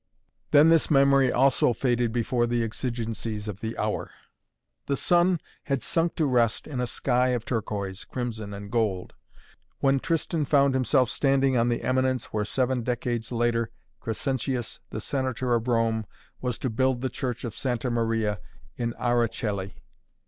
Then this memory also faded before the exigencies of the hour. The sun had sunk to rest in a sky of turquoise, crimson and gold, when Tristan found himself standing on the eminence where seven decades later Crescentius, the Senator of Rome, was to build the Church of Santa Maria in Ara Coeli.